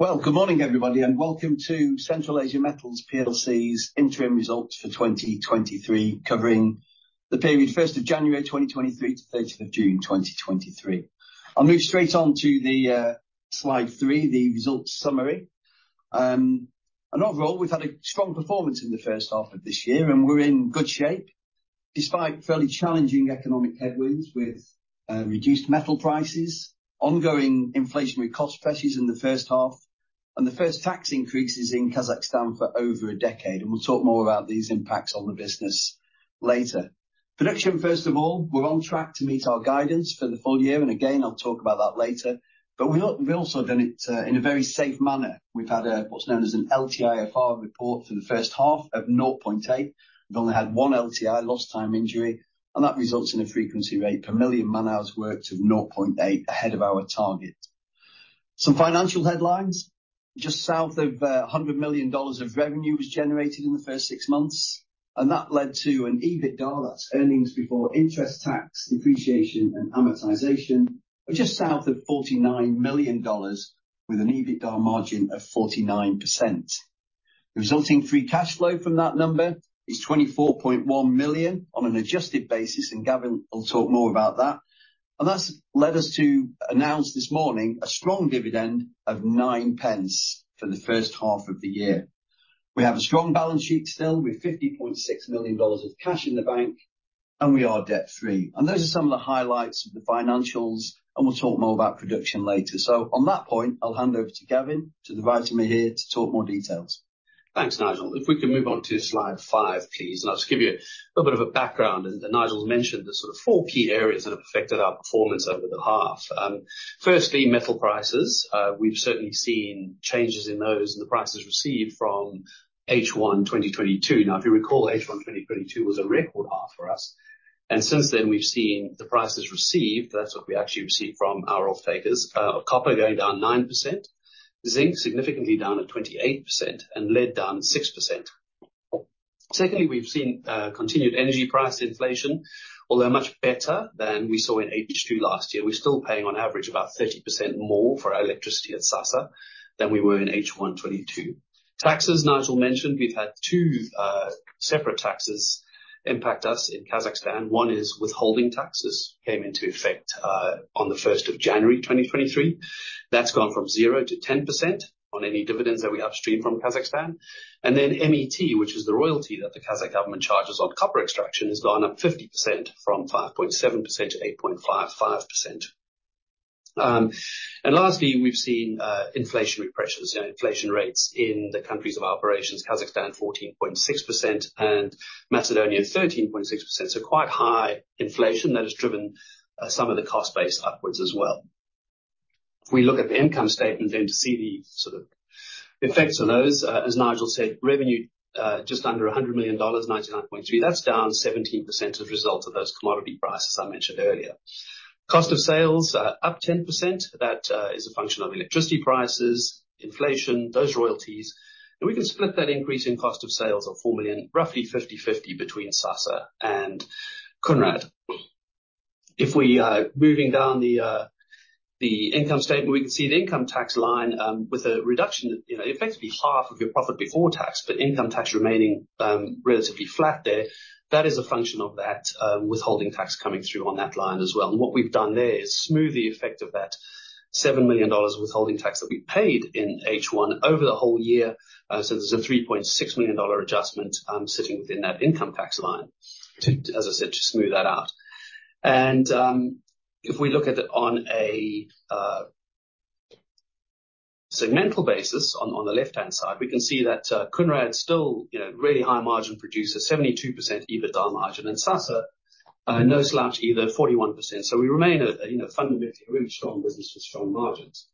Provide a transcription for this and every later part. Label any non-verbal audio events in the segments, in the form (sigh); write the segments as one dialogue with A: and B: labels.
A: Well, good morning, everybody, and welcome to Central Asia Metals PLC's interim results for 2023, covering the period 1 January 2023 to 30 June 2023. I'll move straight on to the slide three, the results summary. And overall, we've had a strong performance in the H1 of this year, and we're in good shape, despite fairly challenging economic headwinds with reduced metal prices, ongoing inflationary cost pressures in the H1, and the first tax increases in Kazakhstan for over a decade. And we'll talk more about these impacts on the business later. Production, first of all, we're on track to meet our guidance for the full year, and again, I'll talk about that later. But we've also done it in a very safe manner. We've had what's known as an LTIFR report for the H1 of 0.8. We've only had 1 LTI, Lost Time Injury, and that results in a frequency rate per million man-hours worked of 0.8, ahead of our target. Some financial headlines, just south of $100 million of revenue was generated in the first six months, and that led to an EBITDA, that's Earnings Before Interest, Tax, Depreciation, and Amortization, of just south of $49 million with an EBITDA margin of 49%. The resulting free cash flow from that number is $24.1 million on an adjusted basis, and Gavin will talk more about that. That's led us to announce this morning a strong dividend of 9 pence for the H1 of the year. We have a strong balance sheet still, with $50.6 million of cash in the bank, and we are debt-free. Those are some of the highlights of the financials, and we'll talk more about production later. On that point, I'll hand over to Gavin, to the right of me here, to talk more details.
B: Thanks, Nigel. If we can move on to slide five, please. I'll just give you a bit of a background. As Nigel mentioned, there's sort of four key areas that have affected our performance over the half. Firstly, metal prices. We've certainly seen changes in those and the prices received from H1 2022. Now, if you recall, H1 2022 was a record half for us, and since then, we've seen the prices received, that's what we actually received from our off-takers, copper going down 9%, zinc significantly down at 28%, and lead down 6%. Secondly, we've seen continued energy price inflation, although much better than we saw in H2 last year. We're still paying, on average, about 30% more for our electricity at Sasa than we were in H1 2022. Taxes, Nigel mentioned, we've had two separate taxes impact us in Kazakhstan. One is withholding taxes, came into effect on 1 January 2023. That's gone from zero to 10% on any dividends that we upstream from Kazakhstan. And then MET, which is the royalty that the Kazakh government charges on copper extraction, has gone up 50% from 5.7-8.55%. And lastly, we've seen inflationary pressures and inflation rates in the countries of operations, Kazakhstan 14.6% and Macedonia 13.6%. So quite high inflation that has driven some of the cost base upwards as well. If we look at the income statement, then, to see the sort of effects on those, as Nigel said, revenue just under $100 million, $99.3 million. That's down 17% as a result of those commodity prices I mentioned earlier. Cost of sales, up 10%. That is a function of electricity prices, inflation, those royalties. And we can split that increase in cost of sales of $4 million, roughly 50/50 between Sasa and Kounrad. If we moving down the income statement, we can see the income tax line, with a reduction, you know, effectively half of your profit before tax, but income tax remaining, relatively flat there. That is a function of that withholding tax coming through on that line as well. And what we've done there is smooth the effect of that $7 million withholding tax that we paid in H1 over the whole year. So there's a $3.6 million adjustment sitting within that income tax line to, as I said, to smooth that out. And, if we look at it on a segmental basis, on the left-hand side, we can see that, Kounrad still, you know, really high margin producer, 72% EBITDA margin, and Sasa, no slouch either, 41%. So we remain a, you know, fundamentally a really strong business with strong margins.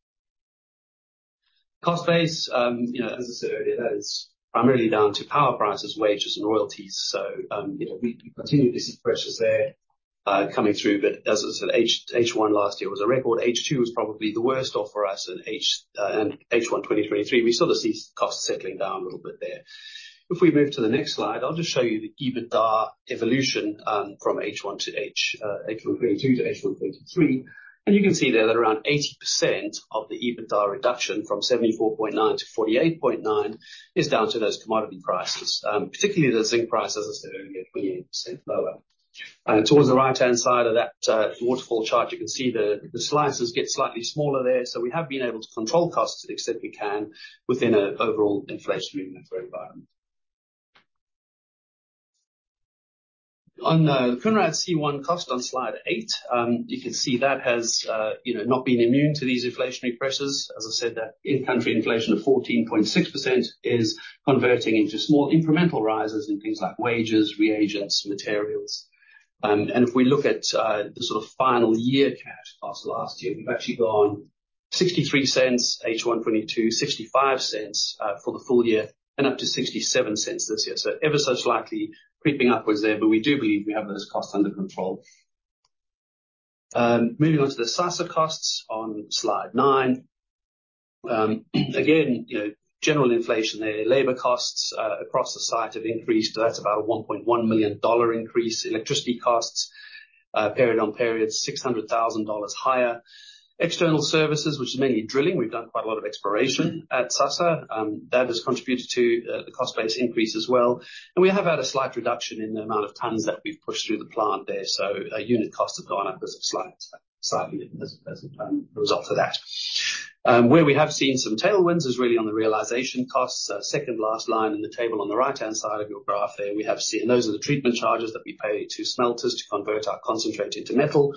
B: Cost base, you know, as I said earlier, that is primarily down to power prices, wages, and royalties. So, you know, we continue to see pressures there coming through, but as I said, H1 last year was a record. H2 was probably the worst off for us than H1 2023. We still see costs settling down a little bit there. If we move to the next slide, I'll just show you the EBITDA evolution from H1 2022 to H1 2023. And you can see there that around 80% of the EBITDA reduction, from $74.9-48.9 million, is down to those commodity prices, particularly the zinc prices, as I said earlier, 20% lower. Towards the right-hand side of that waterfall chart, you can see the slices get slightly smaller there, so we have been able to control costs as best we can within an overall inflationary environment. On the Kounrad C1 cost on slide eight, you can see that has, you know, not been immune to these inflationary pressures. As I said, that in-country inflation of 14.6% is converting into small incremental rises in things like wages, reagents, materials. And if we look at the sort of full year cash cost last year, we've actually gone $0.63 H1 2022, $0.65 for the full year, and up to $0.67 this year. So ever so slightly creeping upwards there, but we do believe we have those costs under control. Moving on to the Sasa costs on slide nine. Again, you know, general inflation there. Labor costs across the site have increased. That's about a $1.1 million increase. Electricity costs, period-on-period, $600,000 higher. External services, which is mainly drilling, we've done quite a lot of exploration at Sasa. That has contributed to the cost base increase as well. We have had a slight reduction in the amount of tons that we've pushed through the plant there. So our unit costs have gone up slightly as a result of that. Where we have seen some tailwinds is really on the realization costs. Second last line in the table on the right-hand side of your graph there, we have seen those are the treatment charges that we pay to smelters to convert our concentrate into metal.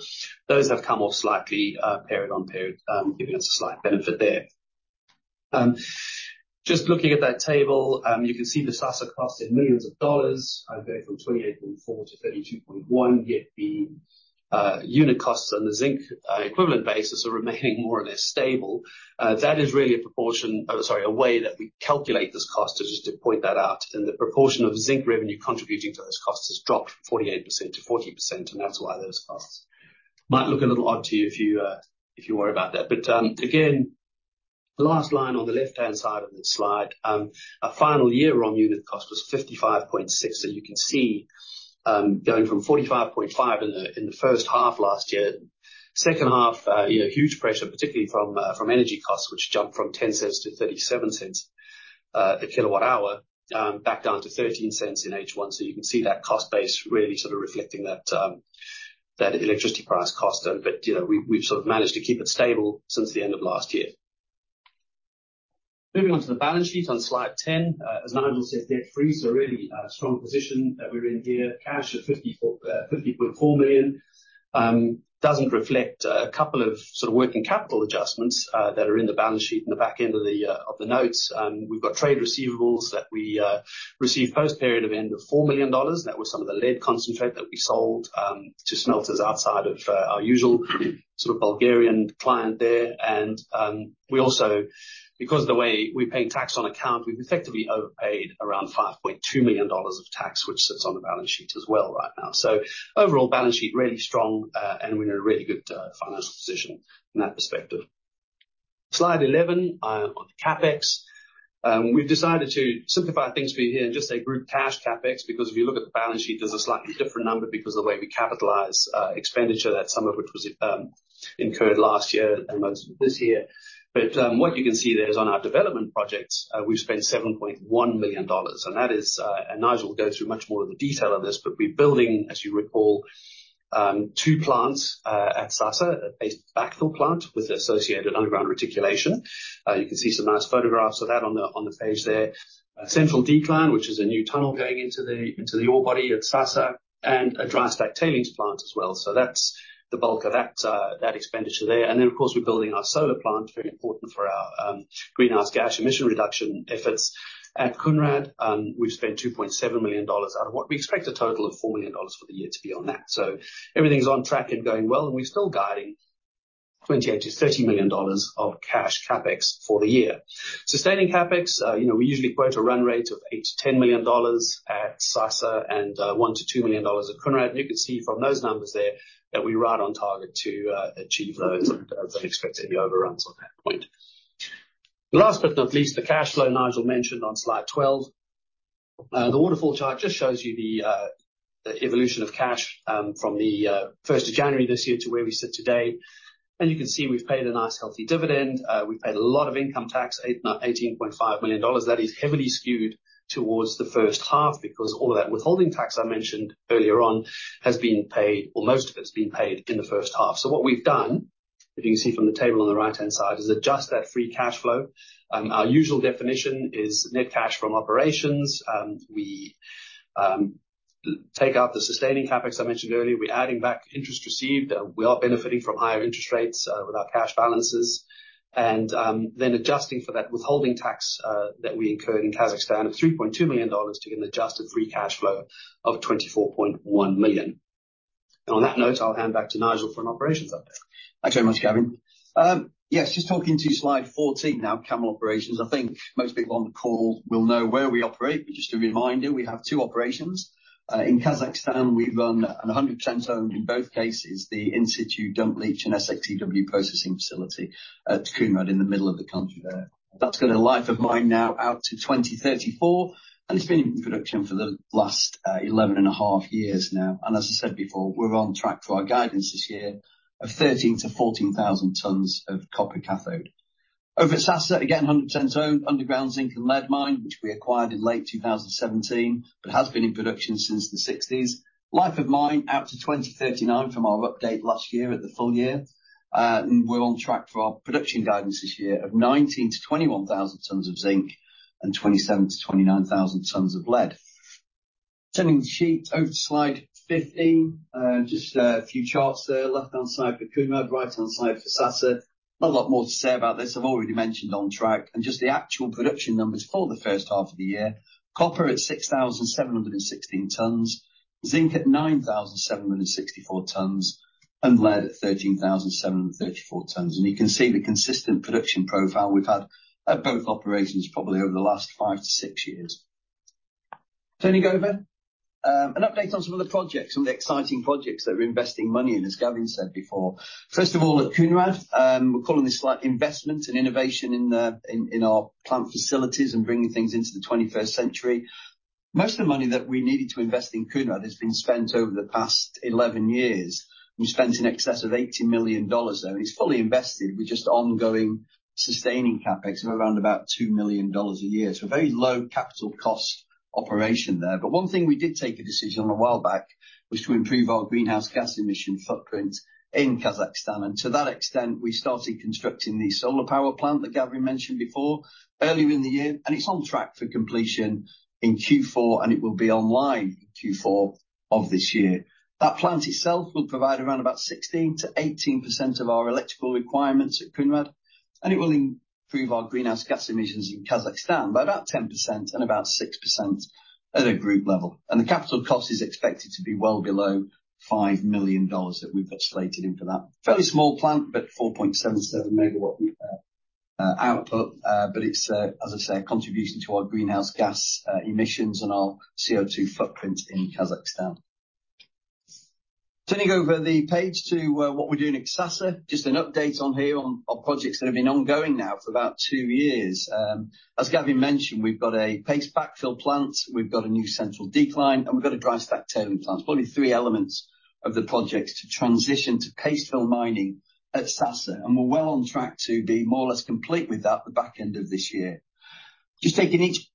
B: Those have come off slightly, period on period, giving us a slight benefit there. Just looking at that table, you can see the Sasa cost in millions of dollars, going from $28.4-32.1 million, yet the unit costs on the zinc equivalent basis are remaining more or less stable. That is really a proportion, oh, sorry, a way that we calculate this cost just to point that out, and the proportion of zinc revenue contributing to those costs has dropped from 48-40%, and that's why those costs might look a little odd to you if you worry about that. But again, the last line on the left-hand side of the slide, our full year unit cost was $55.6. So you can see, going from $45.5 in the H1 last year. H2, you know, huge pressure, particularly from energy costs, which jumped from $0.10-0.37 a kWh, back down to $0.13 in H1. So you can see that cost base really sort of reflecting that, that electricity price cost there. But, you know, we, we've sort of managed to keep it stable since the end of last year. Moving on to the balance sheet on slide 10. As Nigel says, debt-free, so really, strong position that we're in here. Cash of $50.4 million, doesn't reflect a couple of sort of working capital adjustments, that are in the balance sheet in the back end of the notes. We've got trade receivables that we received post period-end of $4 million. That was some of the lead concentrate that we sold to smelters outside of our usual sort of Bulgarian client there. We also, because of the way we pay tax on account, we've effectively overpaid around $5.2 million of tax, which sits on the balance sheet as well right now. Overall, balance sheet really strong, and we're in a really good financial position from that perspective. Slide 11 on the CapEx. We've decided to simplify things for you here and just say group cash CapEx, because if you look at the balance sheet, there's a slightly different number because of the way we capitalize expenditure, that some of which was incurred last year and most of it this year. But, what you can see there is on our development projects, we've spent $7.1 million, and that is... And Nigel will go through much more of the detail of this, but we're building, as you recall, two plants, at Sasa. A Paste Backfill plant with associated underground reticulation. You can see some nice photographs of that on the page there. A Central Decline, which is a new tunnel going into the ore body at Sasa, and a Dry Stack Tailings plant as well. So that's the bulk of that expenditure there. And then, of course, we're building our solar plant, very important for our greenhouse gas emission reduction efforts. At Kounrad, we've spent $2.7 million out of what we expect a total of $4 million for the year to be on that. So everything's on track and going well, and we're still guiding $28 million-30 million of cash CapEx for the year. Sustaining CapEx, you know, we usually quote a run rate of $8 million-10 million at Sasa and $1 million-2 million at Kounrad. And you can see from those numbers there that we're right on target to achieve those and don't expect any overruns on that point. Last but not least, the cash flow Nigel mentioned on slide 12. The waterfall chart just shows you the evolution of cash from the first of January this year to where we sit today. You can see we've paid a nice, healthy dividend. We've paid a lot of income tax, $18.5 million. That is heavily skewed towards the H1 because all of that withholding tax I mentioned earlier on has been paid, or most of it has been paid in the H1. So what we've done, if you can see from the table on the right-hand side, is adjust that free cash flow. Our usual definition is net cash from operations. We take out the sustaining CapEx I mentioned earlier. We're adding back interest received. We are benefiting from higher interest rates with our cash balances. Then adjusting for that withholding tax that we incurred in Kazakhstan of $3.2 million to an adjusted free cash flow of $24.1 million. On that note, I'll hand back to Nigel for an operations update.
A: Thanks very much, Gavin. Yes, just talking to slide 14 now, Kounrad operations. I think most people on the call will know where we operate, but just a reminder, we have two operations. In Kazakhstan, we run and 100% owned in both cases, the in-situ dump leach and SX-EW processing facility at Kounrad, in the middle of the country there. That's got a life of mine now out to 2034, and it's been in production for the last 11.5 years now. And as I said before, we're on track for our guidance this year of 13,000-14,000 tons of copper cathode. Over at Sasa, again, 100% owned underground zinc and lead mine, which we acquired in late 2017, but has been in production since the sixties. Life of mine out to 2039 from our update last year at the full year. And we're on track for our production guidance this year of 19,000-21,000 tons of zinc and 27,000-29,000 tons of lead. Turning the sheet over to slide 15. Just a few charts there. Left-hand side for Kounrad, right-hand side for Sasa. Not a lot more to say about this. I've already mentioned on track and just the actual production numbers for the H1 of the year. Copper at 6,716 tons, zinc at 9,764 tons, and lead at 13,734 tons. And you can see the consistent production profile we've had at both operations, probably over the last five-six years. Turning over an update on some of the projects, some of the exciting projects that we're investing money in, as Gavin said before. First of all, at Kounrad, we're calling this like investment and innovation in the, in, in our plant facilities and bringing things into the 21st century. Most of the money that we needed to invest in Kounrad has been spent over the past 11 years. We spent in excess of $80 million there, and it's fully invested with just ongoing sustaining CapEx of around about $2 million a year. So a very low capital cost operation there. But one thing we did take a decision on a while back was to improve our greenhouse gas emission footprint in Kazakhstan. To that extent, we started constructing the solar power plant that Gavin mentioned before earlier in the year, and it's on track for completion in Q4, and it will be online in Q4 of this year. That plant itself will provide around about 16-18% of our electrical requirements at Kounrad, and it will improve our greenhouse gas emissions in Kazakhstan by about 10% and about 6% at a group level. The capital cost is expected to be well below $5 million that we've postulated into that. Fairly small plant, but 4.77 MW output. But it's a, as I say, a contribution to our greenhouse gas emissions and our CO2 footprint in Kazakhstan. Turning over the page to what we're doing in Sasa. Just an update on projects that have been ongoing now for about two years. As Gavin mentioned, we've got a paste backfill plant, we've got a new Central Decline, and we've got a Dry Stack Tailings plant. Probably three elements of the projects to transition to paste fill mining at Sasa, and we're well on track to be more or less complete with that at the back end of this year. Just taking each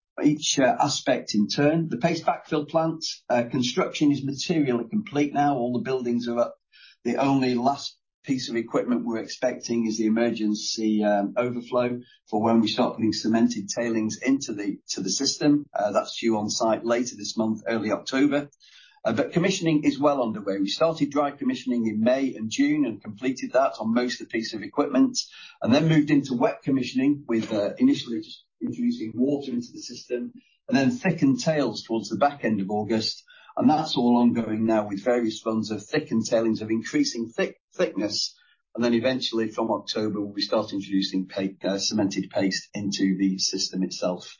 A: aspect in turn. The paste backfill plant construction is materially complete now. All the buildings are up. The only last piece of equipment we're expecting is the emergency overflow for when we start putting cemented tailings into the system. That's due on site later this month, early October. But commissioning is well underway. We started dry commissioning in May and June and completed that on most of the piece of equipment, and then moved into wet commissioning with, initially just introducing water into the system and then thickened tails towards the back end of August. That's all ongoing now with various runs of thickened tailings of increasing thickness, and then eventually from October, we start introducing paste into the system itself.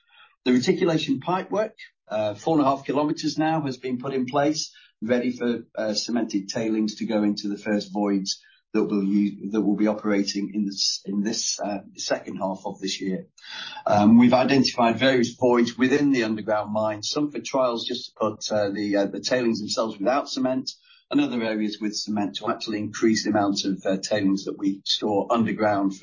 A: The reticulation pipework, 4.5km now, has been put in place, ready for cemented tailings to go into the first voids that we'll be operating in this H2 of this year. We've identified various voids within the underground mine, some for trials, just to put the tailings themselves without cement, and other areas with cement to actually increase the amount of tailings that we store underground,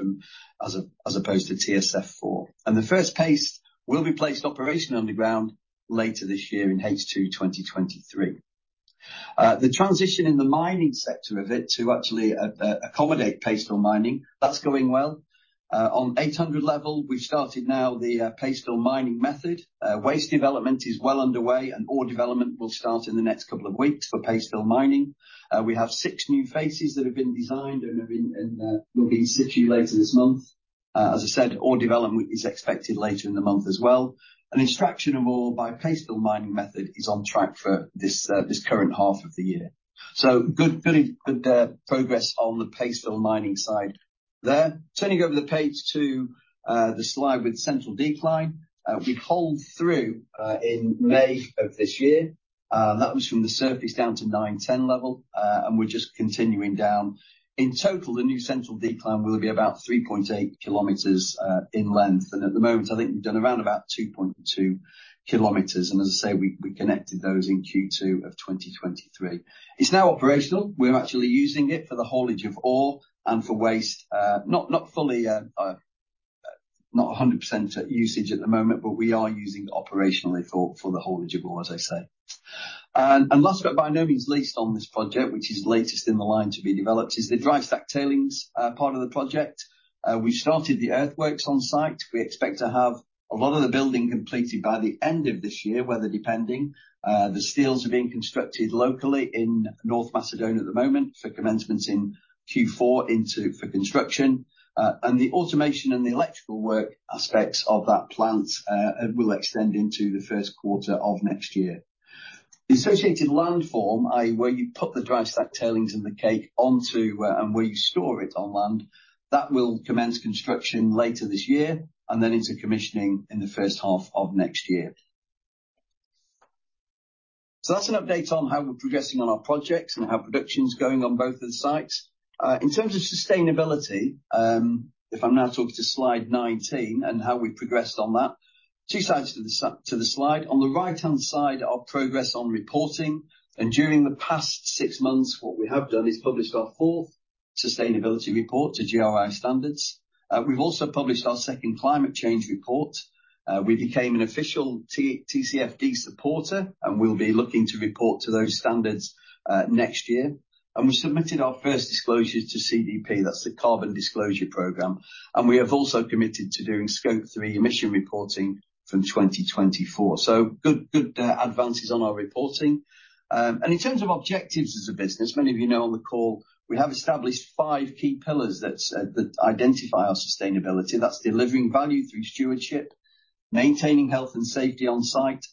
A: as opposed to TSF 4. The first paste will be placed operational underground later this year, in H2 2023. The transition in the mining sector of it to actually accommodate paste fill mining, that's going well. On 800 level, we've started now the paste fill mining method. Waste development is well underway, and ore development will start in the next couple of weeks for paste fill mining. We have six new faces that have been designed and have been, and will be situated later this month. As I said, ore development is expected later in the month as well. Extraction of ore by paste fill mining method is on track for this current half of the year. So good, fairly good progress on the paste fill mining side there. Turning over the page to the slide with Central Decline. We pulled through in May of this year. That was from the surface down to 910 level, and we're just continuing down. In total, the new Central Decline will be about 3.8km in length, and at the moment, I think we've done around about 2.2km, and as I say, we connected those in Q2 of 2023. It's now operational. We're actually using it for the haulage of ore and for waste. Not fully, not 100% usage at the moment, but we are using it operationally for the haulage of ore, as I say. Last, but by no means least on this project, which is latest in the line to be developed, is the Dry Stack Tailings part of the project. We started the earthworks on site. We expect to have a lot of the building completed by the end of this year, weather depending. The steels are being constructed locally in North Macedonia at the moment for commencements in Q4 for construction. And the automation and the electrical work aspects of that plant will extend into the Q1 of next year. The associated landform, i.e., where you put the Dry Stack Tailings and the cake onto, and where you store it on land, that will commence construction later this year, and then into commissioning in the H1 of next year. So that's an update on how we're progressing on our projects and how production's going on both of the sites. In terms of sustainability, if I'm now talking to slide 19 and how we progressed on that, two sides to the slide. On the right-hand side, our progress on reporting, and during the past six months, what we have done is published our fourth sustainability report to GRI standards. We've also published our second climate change report. We became an official TCFD supporter, and we'll be looking to report to those standards, next year. We submitted our first disclosures to CDP, that's the Carbon Disclosure Project, and we have also committed to doing Scope 3 emission reporting from 2024. So good, good, advances on our reporting. In terms of objectives as a business, many of you know on the call, we have established five key pillars that that identify our sustainability. That's delivering value through stewardship, maintaining health and safety on site,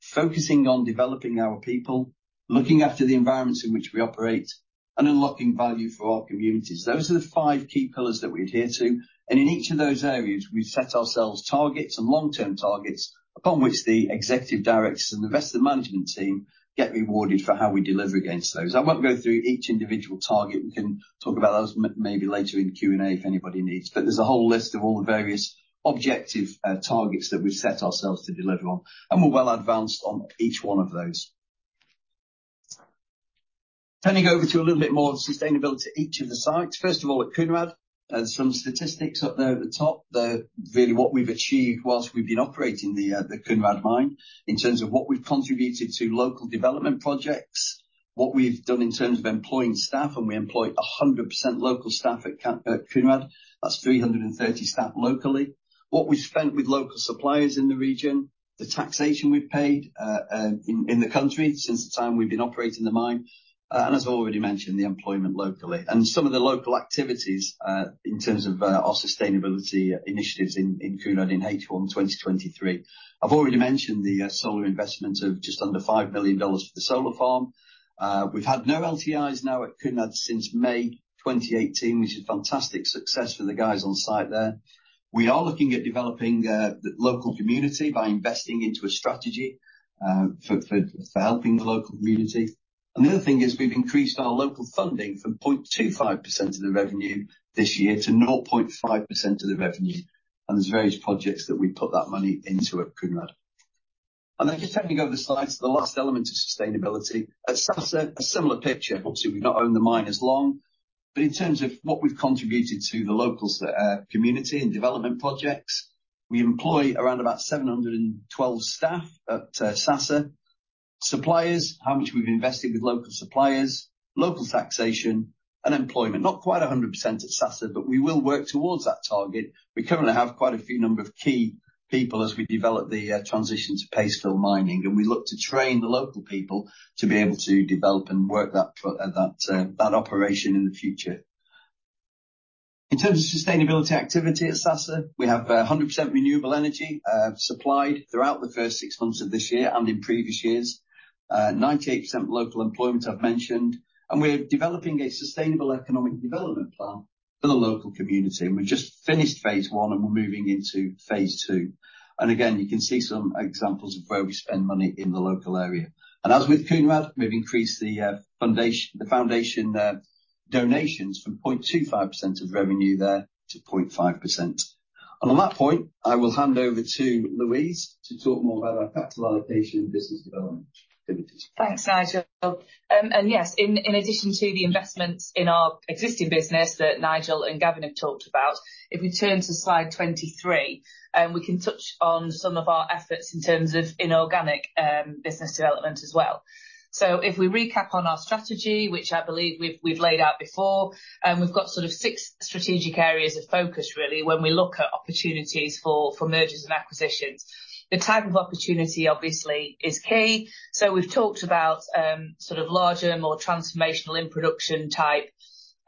A: focusing on developing our people, looking after the environments in which we operate, and unlocking value for our communities. Those are the five key pillars that we adhere to, and in each of those areas, we've set ourselves targets and long-term targets, upon which the executive directors and the rest of the management team get rewarded for how we deliver against those. I won't go through each individual target. We can talk about those maybe later in the Q&A if anybody needs, but there's a whole list of all the various objective targets that we've set ourselves to deliver on, and we're well advanced on each one of those. Turning over to a little bit more sustainability, each of the sites. First of all, at Kounrad, there's some statistics up there at the top. They're really what we've achieved while we've been operating the Kounrad mine, in terms of what we've contributed to local development projects, what we've done in terms of employing staff, and we employ 100% local staff at Kounrad. That's 330 staff locally. What we've spent with local suppliers in the region, the taxation we've paid in the country since the time we've been operating the mine, and as already mentioned, the employment locally. And some of the local activities in terms of our sustainability initiatives in Kounrad in H1 2023. I've already mentioned the solar investment of just under $5 million for the solar farm. We've had no LTIs now at Kounrad since May 2018, which is fantastic success for the guys on site there. We are looking at developing the local community by investing into a strategy for helping the local community. Another thing is we've increased our local funding from 0.25% of the revenue this year to 0.5% of the revenue, and there's various projects that we put that money into at Kounrad. Then just turning over the slides, the last element is sustainability. At Sasa, a similar picture. Obviously, we've not owned the mine as long, but in terms of what we've contributed to the local community and development projects, we employ around about 712 staff at Sasa. Suppliers, how much we've invested with local suppliers, local taxation, and employment. Not quite 100% at Sasa, but we will work towards that target. We currently have quite a few number of key people as we develop the transition to paste fill mining, and we look to train the local people to be able to develop and work that operation in the future. In terms of sustainability activity at Sasa, we have 100% renewable energy supplied throughout the first six months of this year and in previous years. 98% local employment, I've mentioned, and we're developing a sustainable economic development plan for the local community, and we've just finished phase one, and we're moving into phase two. And again, you can see some examples of where we spend money in the local area. And as with Kounrad, we've increased the foundation donations from 0.25% of revenue there to 0.5%. On that point, I will hand over to Louise to talk more about our capital allocation and business development activities.
C: Thanks, Nigel. And yes, in addition to the investments in our existing business that Nigel and Gavin have talked about, if we turn to slide 23, we can touch on some of our efforts in terms of inorganic business development as well. So if we recap on our strategy, which I believe we've laid out before, we've got sort of six strategic areas of focus, really, when we look at opportunities for mergers and acquisitions. The type of opportunity, obviously, is key. So we've talked about sort of larger, more transformational in production-type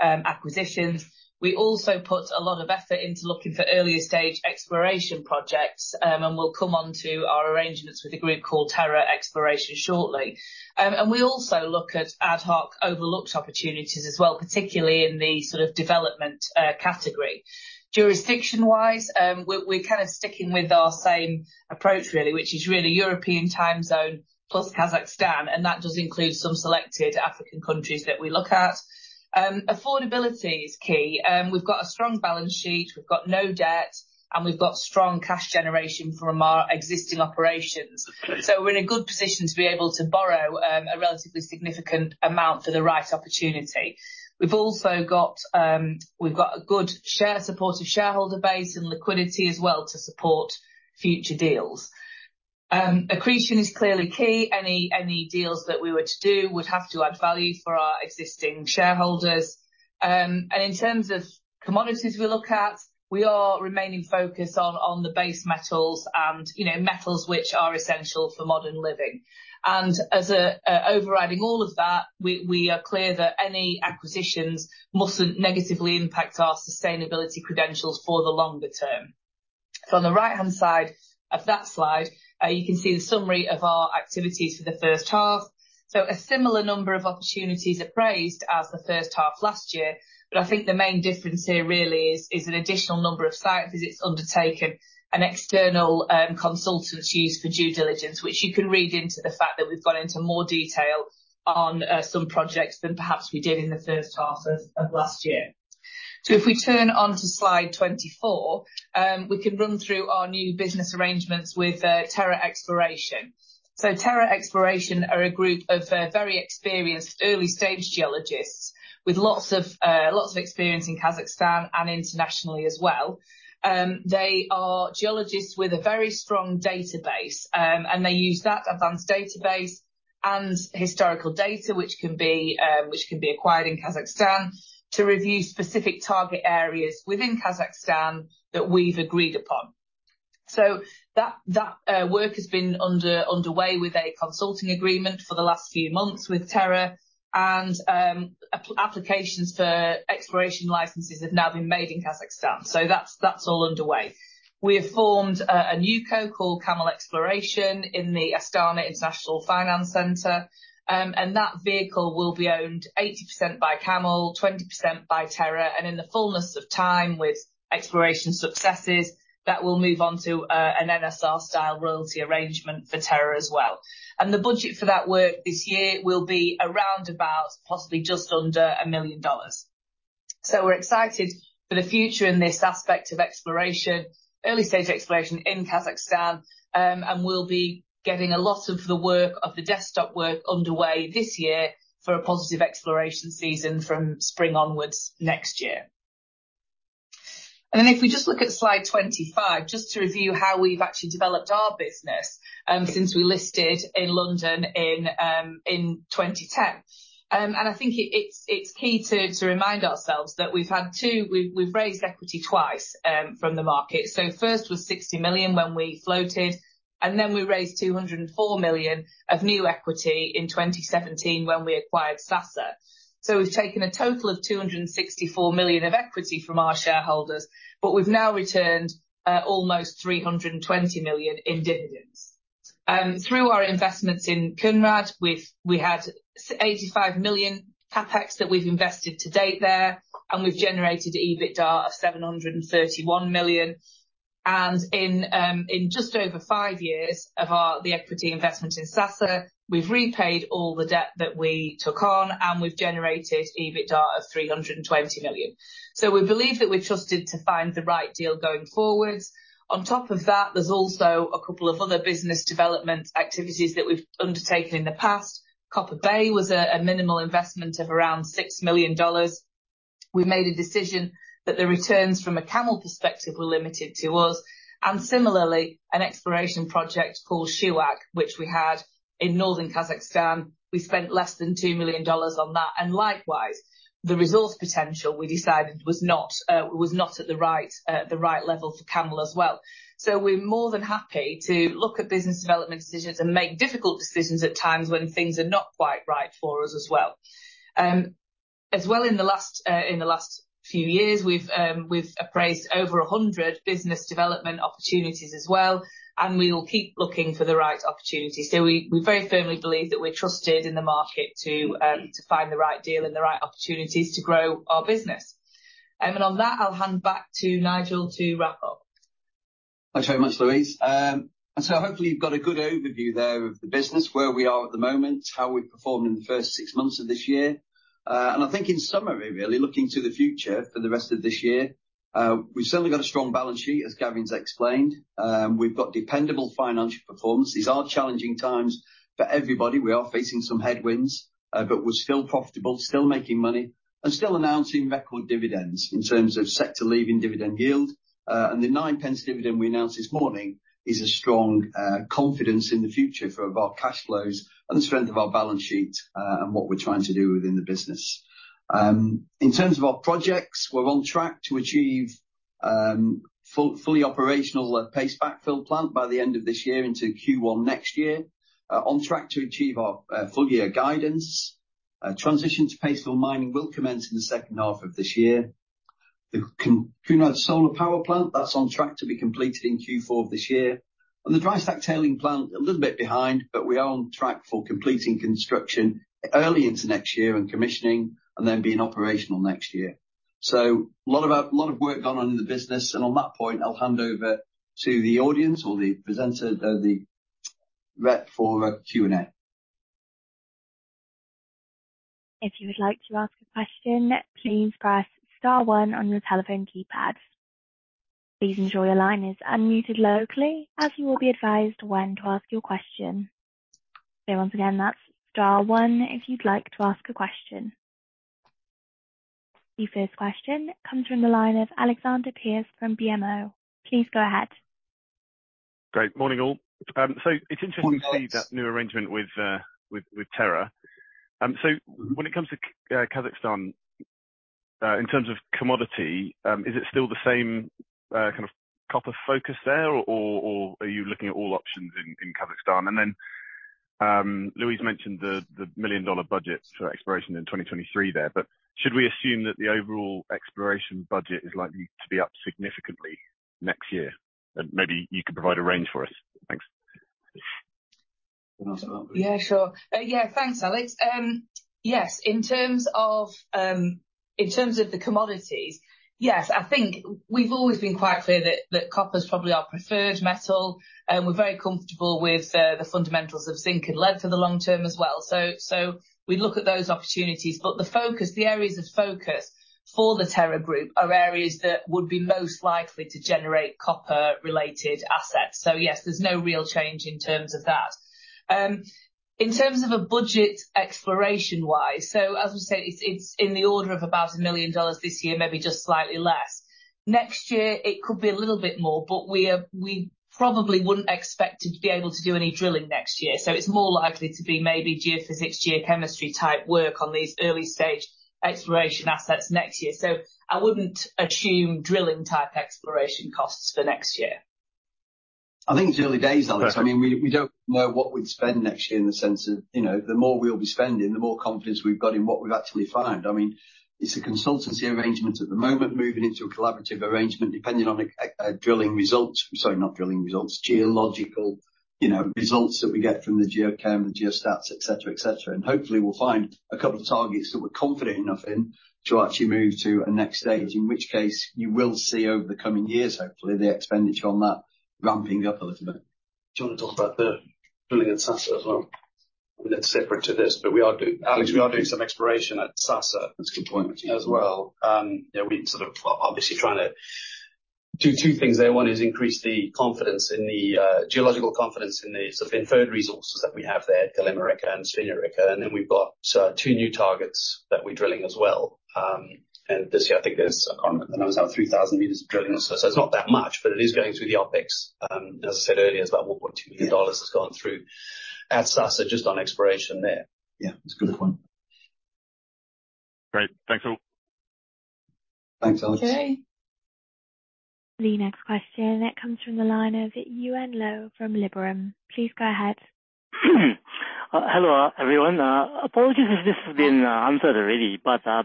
C: acquisitions. We also put a lot of effort into looking for earlier stage exploration projects, and we'll come onto our arrangements with a group called Terra Exploration shortly. And we also look at ad hoc overlooked opportunities as well, particularly in the sort of development, category. Jurisdiction-wise, we're, we're kind of sticking with our same approach really, which is really European time zone, plus Kazakhstan, and that does include some selected African countries that we look at. Affordability is key. We've got a strong balance sheet, we've got no debt, and we've got strong cash generation from our existing operations. So we're in a good position to be able to borrow, a relatively significant amount for the right opportunity. We've also got, we've got a good share, supportive shareholder base and liquidity as well to support future deals. Accretion is clearly key. Any, any deals that we were to do would have to add value for our existing shareholders. And in terms of commodities we look at, we are remaining focused on the base metals and, you know, metals which are essential for modern living. And as overriding all of that, we are clear that any acquisitions mustn't negatively impact our sustainability credentials for the longer term. So on the right-hand side of that slide, you can see the summary of our activities for the H1. So a similar number of opportunities appraised as the H1 last year, but I think the main difference here really is an additional number of sites; it's undertaken an external consultancy used for due diligence, which you can read into the fact that we've gone into more detail on some projects than perhaps we did in the H1 of last year. So if we turn onto slide 24, we can run through our new business arrangements with Terra Exploration. So Terra Exploration are a group of very experienced early-stage geologists with lots of experience in Kazakhstan and internationally as well. They are geologists with a very strong database, and they use that advanced database and historical data, which can be acquired in Kazakhstan, to review specific target areas within Kazakhstan that we've agreed upon. So that work has been underway with a consulting agreement for the last few months with Terra, and applications for exploration licenses have now been made in Kazakhstan. So that's all underway. We have formed a new company called CAML Exploration in the Astana International Financial Centre. And that vehicle will be owned 80% by CAML, 20% by Terra, and in the fullness of time, with exploration successes, that will move on to an NSR style royalty arrangement for Terra as well. And the budget for that work this year will be around about possibly just under $1 million. So we're excited for the future in this aspect of exploration, early stage exploration in Kazakhstan, and we'll be getting a lot of the work, of the desktop work underway this year for a positive exploration season from spring onwards next year. And then, if we just look at slide 25, just to review how we've actually developed our business, since we listed in London in 2010. And I think it's key to remind ourselves that we've raised equity twice from the market. So first was $60 million when we floated, and then we raised $204 million of new equity in 2017 when we acquired Sasa. So we've taken a total of $264 million of equity from our shareholders, but we've now returned almost $320 million in dividends. Through our investments in Kounrad, we've had $85 million CapEx that we've invested to date there, and we've generated EBITDA of $731 million. And in just over five years of the equity investment in Sasa, we've repaid all the debt that we took on, and we've generated EBITDA of $320 million. So we believe that we're trusted to find the right deal going forward. On top of that, there's also a couple of other business development activities that we've undertaken in the past. Copper Bay was a minimal investment of around $6 million. We made a decision that the returns from a CAML perspective were limited to us, and similarly, an exploration project called Shuak, which we had in northern Kazakhstan. We spent less than $2 million on that, and likewise, the resource potential, we decided, was not at the right level for CAML as well. So we're more than happy to look at business development decisions and make difficult decisions at times when things are not quite right for us as well. As well, in the last few years, we've appraised over 100 business development opportunities as well, and we will keep looking for the right opportunity. So we very firmly believe that we're trusted in the market to find the right deal and the right opportunities to grow our business. And on that, I'll hand back to Nigel to wrap up.
A: Thanks very much, Louise. And so hopefully you've got a good overview there of the business, where we are at the moment, how we've performed in the first six months of this year. And I think in summary, really, looking to the future for the rest of this year, we've certainly got a strong balance sheet, as Gavin's explained. We've got dependable financial performance. These are challenging times for everybody. We are facing some headwinds, but we're still profitable, still making money, and still announcing record dividends in terms of sector-leading dividend yield. And the 0.09 pence dividend we announced this morning is a strong confidence in the future of our cash flows and the strength of our balance sheet, and what we're trying to do within the business. In terms of our projects, we're on track to achieve fully operational paste backfill plant by the end of this year into Q1 next year. On track to achieve our full year guidance. Transition to paste fill mining will commence in the H2 of this year. The Kounrad Solar Power Plant, that's on track to be completed in Q4 of this year. And the Dry Stack Tailings plant, a little bit behind, but we are on track for completing construction early into next year and commissioning, and then being operational next year. So a lot of work going on in the business. And on that point, I'll hand over to the audience or the presenter, the rep for Q&A.
D: If you would like to ask a question, please press star one on your telephone keypad. Please ensure your line is unmuted locally, as you will be advised when to ask your question. So once again, that's star one if you'd like to ask a question. The first question comes from the line of Alexander Pearce from BMO. Please go ahead.
E: Great. Morning, all. So it's interesting-
A: Morning, Alex.
E: -to see that new arrangement with Terra. So when it comes to Kazakhstan, in terms of commodity, is it still the same kind of copper focus there or are you looking at all options in Kazakhstan? And then, Louise mentioned the $1 million budget for exploration in 2023 there, but should we assume that the overall exploration budget is likely to be up significantly next year? And maybe you could provide a range for us. Thanks.
A: You want to take that one, Louise?
C: Yeah, sure. Yeah, thanks, Alex. Yes, in terms of the commodities, yes, I think we've always been quite clear that copper is probably our preferred metal, and we're very comfortable with the fundamentals of zinc and lead for the long term as well. So we'd look at those opportunities. But the focus, the areas of focus for the Terra group are areas that would be most likely to generate copper-related assets. So yes, there's no real change in terms of that. In terms of a budget, exploration-wise, so as we said, it's in the order of about $1 million this year, maybe just slightly less. Next year, it could be a little bit more, but we are... We probably wouldn't expect to be able to do any drilling next year, so it's more likely to be maybe geophysics, geochemistry type work on these early-stage exploration assets next year. So I wouldn't assume drilling-type exploration costs for next year....
A: I think it's early days, Alex. I mean, we, we don't know what we'd spend next year in the sense of, you know, the more we'll be spending, the more confidence we've got in what we've actually found. I mean, it's a consultancy arrangement at the moment, moving into a collaborative arrangement, depending on, drilling results. Sorry, not drilling results, geological, you know, results that we get from the geochem, geostats, et cetera, et cetera. And hopefully, we'll find a couple of targets that we're confident enough in to actually move to a next stage, in which case, you will see over the coming years, hopefully, the expenditure on that ramping up a little bit.
B: Do you want to talk about the drilling at Sasa as well? That's separate to this, but we are doing... Alex, we are doing some exploration at Sasa-
A: That's a good point.
B: -as well. Yeah, we sort of obviously trying to do two things there. One is increase the confidence in the geological confidence in the sort of inferred resources that we have there at Golema Reka and Svinja Reka, and then we've got two new targets that we're drilling as well. And this year, I think there's around, I know, 3,000 meters of drilling. So it's not that much, but it is going through the OpEx. As I said earlier, it's about $1.2 billion has gone through at Sasa, just on exploration there.
A: Yeah, it's a good point.
E: Great. Thanks, all.
A: Thanks, Alex.
C: Okay.
D: The next question, and it comes from the line of Yuen Low from Liberum. Please go ahead.
F: Hello, everyone. Apologies if this has been answered already, but I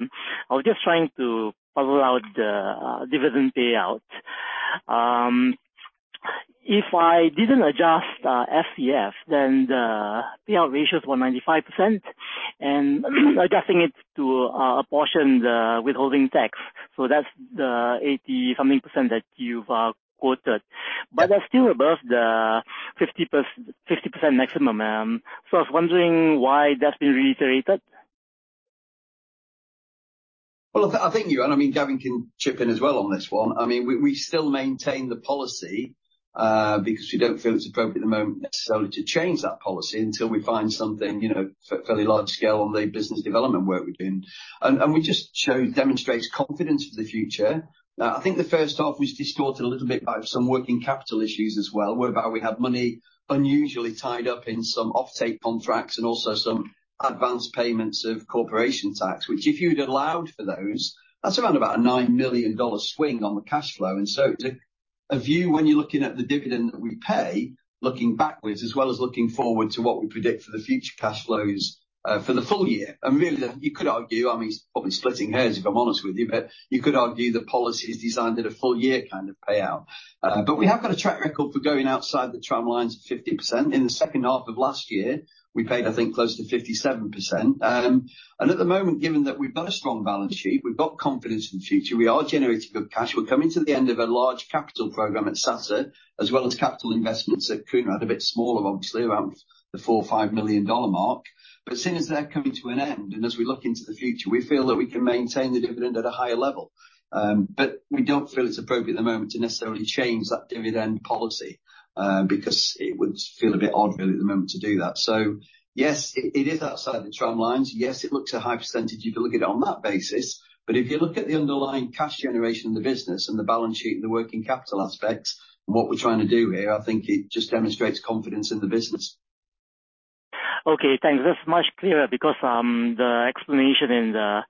F: was just trying to puzzle out the dividend payout. If I didn't adjust FCF, then the payout ratios were 95%, and adjusting it to apportion the withholding tax. So that's the 80-something% that you've quoted. But that's still above the 50% maximum. So I was wondering why that's been reiterated?
A: Well, I think, Yuen, I mean, Gavin can chip in as well on this one. I mean, we still maintain the policy because we don't feel it's appropriate at the moment necessarily to change that policy until we find something, you know, fairly large scale on the business development work we're doing. And we just demonstrates confidence for the future. I think the H1 was distorted a little bit by some working capital issues as well, whereby we had money unusually tied up in some offtake contracts and also some advanced payments of corporation tax, which if you'd allowed for those, that's around about a $9 million swing on the cash flow. And so, the view, when you're looking at the dividend that we pay, looking backwards as well as looking forward to what we predict for the future cash flows for the full year. I mean, you could argue, I mean, it's probably splitting hairs, if I'm honest with you, but you could argue the policy is designed at a full year kind of payout. But we have got a track record for going outside the tramlines of 50%. In the H2 of last year, we paid, I think, close to 57%. And at the moment, given that we've got a strong balance sheet, we've got confidence in the future, we are generating good cash. We're coming to the end of a large capital program at Sasa, as well as capital investments at Kounrad, a bit smaller, obviously, around the $4-5 million mark. But seeing as they're coming to an end, and as we look into the future, we feel that we can maintain the dividend at a higher level. But we don't feel it's appropriate at the moment to necessarily change that dividend policy, because it would feel a bit odd, really, at the moment to do that. So yes, it, it is outside the tramlines. Yes, it looks a high percentage if you look at it on that basis, but if you look at the underlying cash generation of the business and the balance sheet and the working capital aspects, and what we're trying to do here, I think it just demonstrates confidence in the business.
F: Okay, thanks. That's much clearer because the explanation in the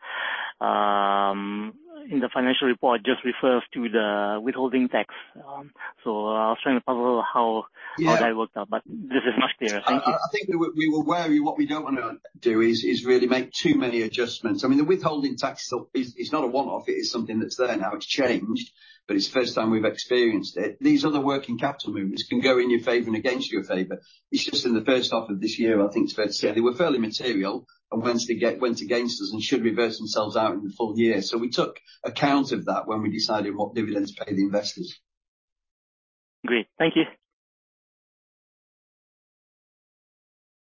F: financial report just refers to the withholding tax. So I was trying to puzzle how-
A: Yeah.
F: How that worked out, but this is much clearer. Thank you.
A: I think we were wary. What we don't wanna do is really make too many adjustments. I mean, the withholding tax is not a one-off, it is something that's there now. It's changed, but it's the first time we've experienced it. These other working capital movements can go in your favor and against your favor. It's just in the H1 of this year, I think it's fair to say they were fairly material, and went against us and should reverse themselves out in the full year. So we took account of that when we decided what dividends to pay the investors.
F: Great. Thank you.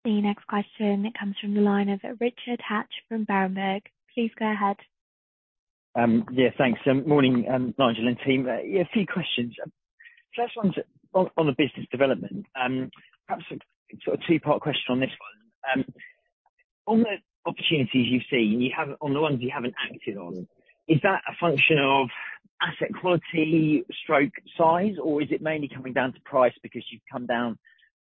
D: The next question comes from the line of Richard Hatch from Berenberg. Please go ahead.
G: Yeah, thanks. Morning, Nigel and team. Yeah, a few questions. First one's on the business development. Perhaps a sort of two-part question on this one. On the opportunities you've seen, on the ones you haven't acted on, is that a function of asset quality, stroke, size, or is it mainly coming down to price because you've come down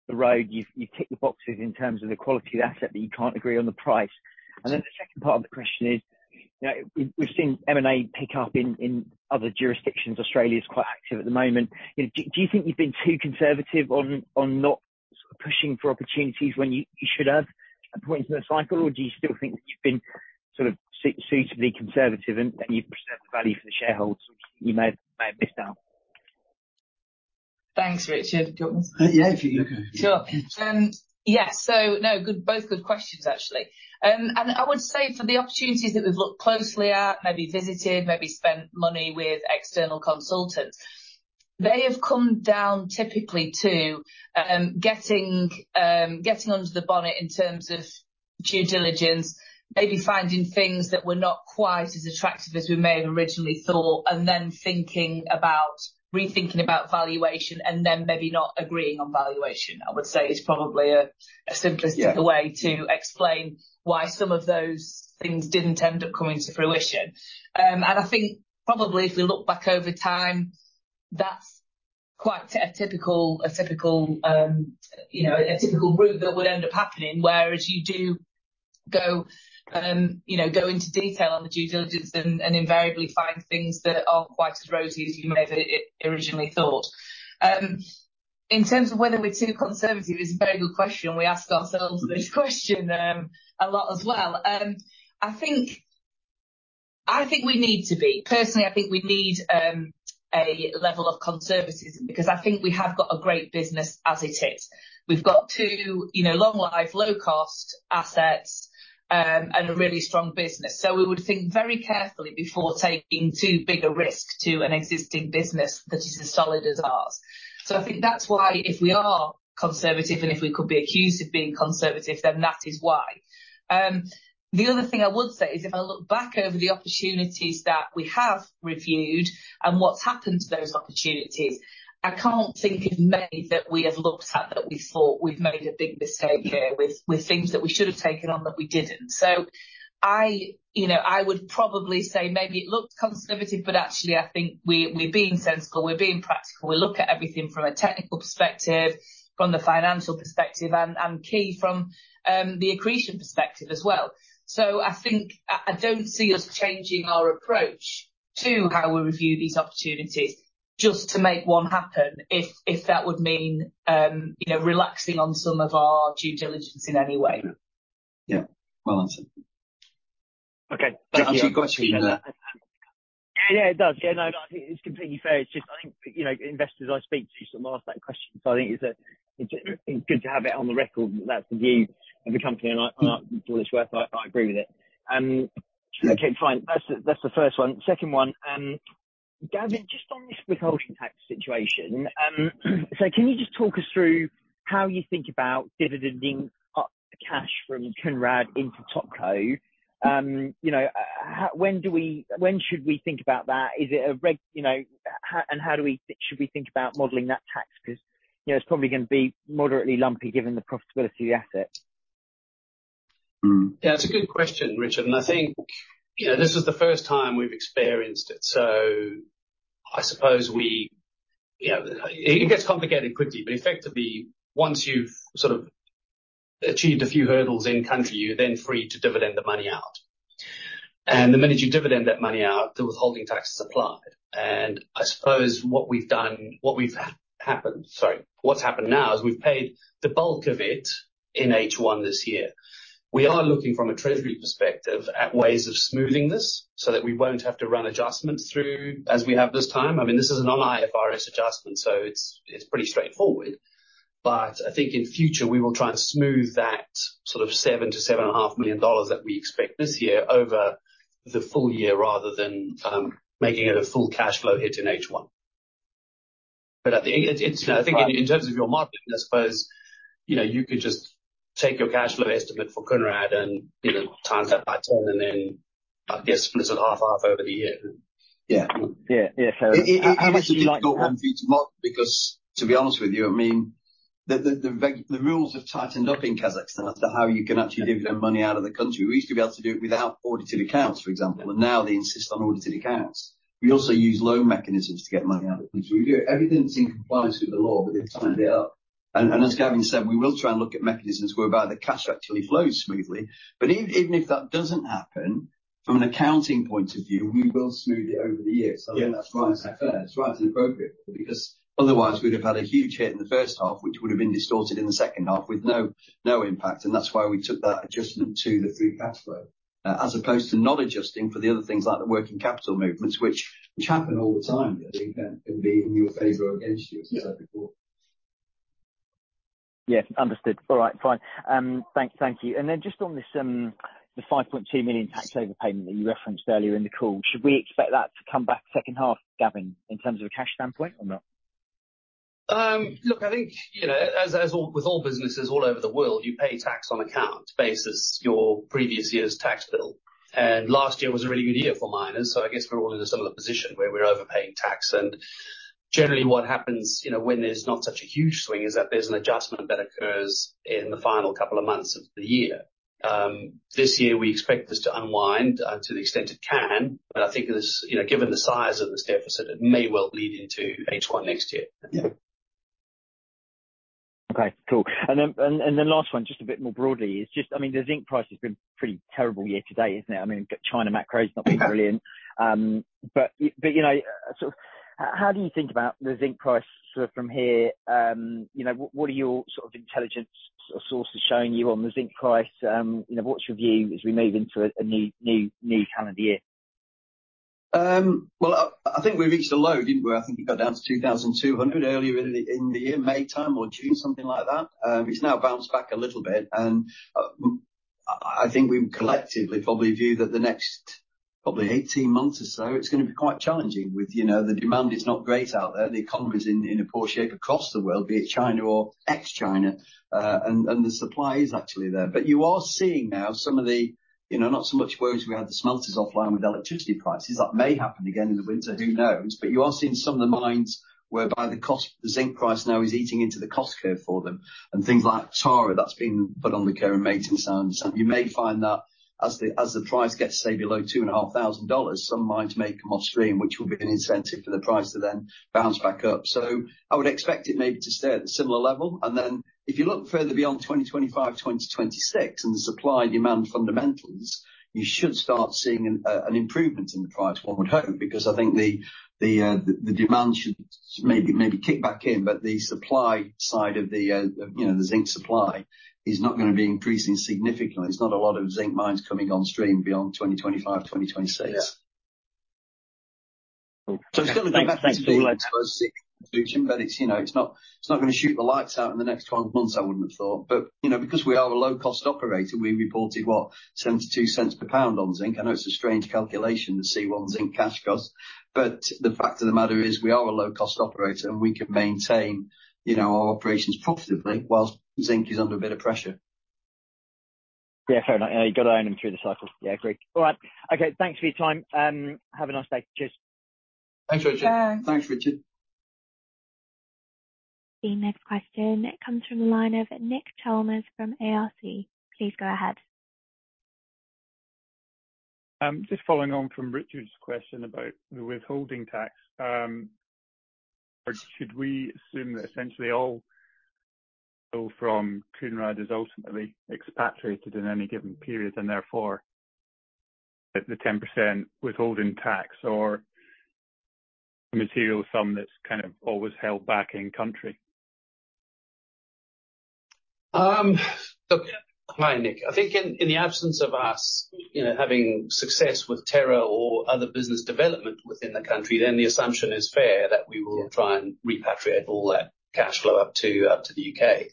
G: the road, you've ticked the boxes in terms of the quality of the asset, but you can't agree on the price? And then the second part of the question is, you know, we've seen M&A pick up in other jurisdictions. Australia is quite active at the moment. You know, do you think you've been too conservative on not sort of pushing for opportunities when you should have at a point in the cycle? Or do you still think that you've been sort of suitably conservative and you've preserved the value for the shareholders, or you may have missed out?
C: Thanks, Richard. Do you want me to-
A: Yeah, if you look at it.
C: Sure. Yes, so no, good, both good questions, actually. And I would say for the opportunities that we've looked closely at, maybe visited, maybe spent money with external consultants, they have come down typically to getting under the bonnet in terms of due diligence, maybe finding things that were not quite as attractive as we may have originally thought, and then thinking about, rethinking about valuation, and then maybe not agreeing on valuation. I would say is probably a simplistic-
A: Yeah
C: -way to explain why some of those things didn't end up coming to fruition. I think probably if we look back over time, that's quite a typical, you know, a typical route that would end up happening, whereas you go, you know, go into detail on the due diligence and invariably find things that aren't quite as rosy as you may have originally thought. In terms of whether we're too conservative, it's a very good question. We ask ourselves this question a lot as well. I think we need to be. Personally, I think we need a level of conservatism because I think we have got a great business as it is. We've got two, you know, long life, low cost assets, and a really strong business. So we would think very carefully before taking too big a risk to an existing business that is as solid as ours. So I think that's why if we are conservative, and if we could be accused of being conservative, then that is why. The other thing I would say is, if I look back over the opportunities that we have reviewed and what's happened to those opportunities, I can't think of many that we have looked at, that we thought we've made a big mistake here with, with things that we should have taken on, that we didn't. So I, you know, I would probably say maybe it looked conservative, but actually I think we, we're being sensible, we're being practical. We look at everything from a technical perspective, from the financial perspective and, and key from, the accretion perspective as well. I think I don't see us changing our approach to how we review these opportunities just to make one happen, if that would mean, you know, relaxing on some of our due diligence in any way.
A: Yeah. Yeah, well answered.
G: Okay, thank you.
A: Actually, go ahead.
G: Yeah, it does. Yeah, no, I think it's completely fair. It's just I think, you know, investors I speak to sometimes ask that question, so I think it's good to have it on the record that that's the view of the company, and I, for what it's worth, I agree with it. Okay, fine. That's the first one. Second one, Gavin, just on this withholding tax situation, so can you just talk us through how you think about dividending up cash from Kounrad into Topco? You know, when should we think about that? Is it regular, you know, how should we think about modeling that tax? Because, you know, it's probably gonna be moderately lumpy, given the profitability of the asset.
A: Hmm.
B: Yeah, it's a good question, Richard, and I think, you know, this is the first time we've experienced it, so I suppose we... Yeah, it gets complicated quickly, but effectively, once you've sort of achieved a few hurdles in country, you're then free to dividend the money out. And the minute you dividend that money out, the withholding tax is applied. And I suppose what we've done, what's happened now is we've paid the bulk of it in H1 this year. We are looking from a treasury perspective at ways of smoothing this, so that we won't have to run adjustments through as we have this time. I mean, this is a non-IFRS adjustment, so it's, it's pretty straightforward, but I think in future we will try and smooth that sort of $7-7.5 million that we expect this year over the full year, rather than making it a full cash flow hit in H1. But I think it's, it's, I think in terms of your modeling, I suppose, you know, you could just take your cash flow estimate for Kounrad and, you know, times that by 10, and then, I guess, split it half, half over the year.
A: Yeah.
G: Yeah. Yeah, so-
A: How much do you like them to model? Because to be honest with you, I mean, the rules have tightened up in Kazakhstan as to how you can actually get your money out of the country. We used to be able to do it without audited accounts, for example, and now they insist on audited accounts. We also use loan mechanisms to get money out of the country. We do everything that's in compliance with the law, but they've tightened it up. And as Gavin said, we will try and look at mechanisms whereby the cash actually flows smoothly, but even if that doesn't happen, from an accounting point of view, we will smooth it over the years.
B: Yeah.
A: So I think that's right and fair. It's right and appropriate, because otherwise we'd have had a huge hit in the H1, which would have been distorted in the H2 with no impact, and that's why we took that adjustment to the free cash flow, as opposed to not adjusting for the other things like the working capital movements, which happen all the time, really, and be in your favor or against you-
B: Yeah.
A: as I.
G: Yes, understood. All right, fine. Thank you. And then just on this, the $5.2 million tax overpayment that you referenced earlier in the call, should we expect that to come back H2, Gavin, in terms of a cash standpoint or not?
B: Look, I think, you know, as all, with all businesses all over the world, you pay tax on account basis, your previous year's tax bill. And last year was a really good year for miners, so I guess we're all in a similar position where we're overpaying tax. And generally, what happens, you know, when there's not such a huge swing, is that there's an adjustment that occurs in the final couple of months of the year. This year, we expect this to unwind to the extent it can, but I think this, you know, given the size of this deficit, it may well bleed into H1 next year.
A: Yeah.
G: Okay, cool. And then last one, just a bit more broadly, is just... I mean, the zinc price has been pretty terrible year to date, isn't it? I mean, China macro has not been brilliant. But, you know, so how do you think about the zinc price sort of from here? You know, what are your sort of intelligence or sources showing you on the zinc price? You know, what's your view as we move into a new calendar year?
B: Well, I think we reached a low, didn't we? I think it got down to $2,200 earlier in the year, Maytime or June, something like that. It's now bounced back a little bit, and I think we collectively probably view that the next probably 18 months or so, it's gonna be quite challenging with, you know, the demand is not great out there. The economy is in a poor shape across the world, be it China or ex-China, and the supply is actually there. But you are seeing now some of the, you know, not so much worries we had the smelters offline with electricity prices. That may happen again in the winter, who knows? But you are seeing some of the mines whereby the cost, the zinc price now is eating into the cost curve for them. And things like Tara, that's been put on the care and maintenance, and you may find that- ...
A: as the price gets, say, below $2,500, some mines may come off stream, which will be an incentive for the price to then bounce back up. So I would expect it maybe to stay at a similar level. And then, if you look further beyond 2025, 2026, and the supply and demand fundamentals, you should start seeing an improvement in the price, one would hope, because I think the demand should maybe kick back in. But the supply side of the, you know, the zinc supply is not gonna be increasing significantly. There's not a lot of zinc mines coming on stream beyond 2025, 2026.
B: Yeah.
A: So it's still going to be-
H: (crosstalk)
A: But it's, you know, not gonna shoot the lights out in the next 12 months, I wouldn't have thought. But, you know, because we are a low-cost operator, we reported, what? $0.72 per pound on zinc. I know it's a strange calculation to C1 zinc cash cost, but the fact of the matter is we are a low-cost operator, and we can maintain, you know, our operations profitably while zinc is under a bit of pressure.
G: Yeah, fair enough. You've got to own them through the cycle. Yeah, agreed. All right. Okay, thanks for your time, have a nice day. Cheers.
A: Thanks, Richard.
C: Bye.
A: Thanks, Richard.
D: The next question comes from the line of Nick Chalmers from ARC. Please go ahead.
I: Just following on from Richard's question about the withholding tax. Should we assume that essentially all from Kounrad is ultimately expatriated in any given period, and therefore, the 10% withholding tax or a material sum that's kind of always held back in country?
A: Look. Hi, Nick. I think in the absence of us, you know, having success with Terra or other business development within the country, then the assumption is fair that we will try and repatriate all that cash flow up to the UK.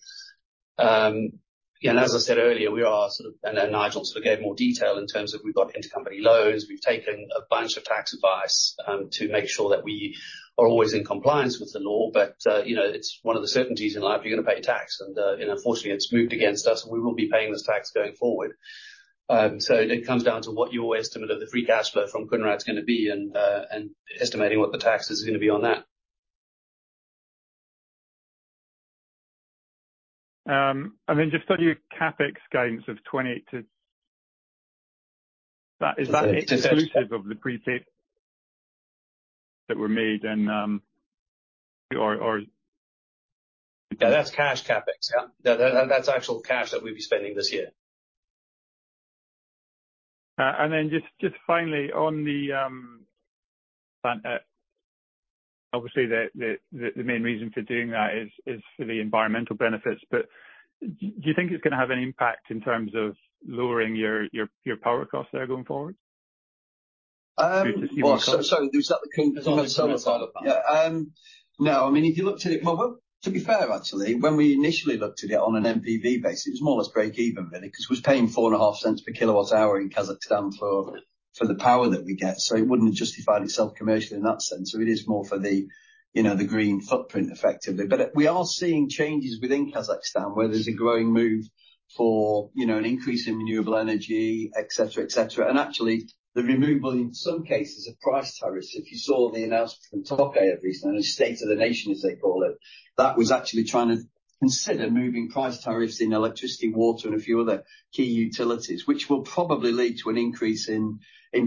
A: And as I said earlier, we are sort of... And then Nigel also gave more detail in terms of we've got intercompany loans. We've taken a bunch of tax advice to make sure that we are always in compliance with the law. But, you know, it's one of the certainties in life, you're gonna pay tax. And, you know, unfortunately, it's moved against us, and we will be paying this tax going forward. So, it comes down to what your estimate of the free cash flow from Kounrad is gonna be and estimating what the tax is gonna be on that.
I: And then just on your CapEx guidance of 20 to... Is that exclusive of the prepaid that were made and, or?
A: Yeah, that's cash CapEx. Yeah. That, that's actual cash that we'll be spending this year.
I: And then just finally on the obviously the main reason for doing that is for the environmental benefits, but do you think it's gonna have an impact in terms of lowering your power costs there going forward?
A: So, so is that the solar side of that? Yeah. No, I mean, if you looked at it, well, to be fair, actually, when we initially looked at it on an NPV basis, it was more or less break even, really, 'cause we're paying $0.045 per kWh in Kazakhstan for the power that we get, so it wouldn't have justified itself commercially in that sense. So it is more for the, you know, the green footprint, effectively. But we are seeing changes within Kazakhstan, where there's a growing move for, you know, an increase in renewable energy, et cetera, et cetera. And actually, the removal, in some cases, of price tariffs. If you saw the announcement from Tokayev recently, the State of the Nation, as they call it, that was actually trying to consider moving price tariffs in electricity, water, and a few other key utilities, which will probably lead to an increase in